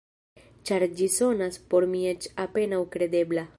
Ĉar ĝi sonas por mi eĉ apenaŭ kredebla.